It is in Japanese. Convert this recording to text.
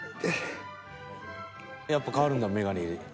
［やっぱ変わるんだ眼鏡で］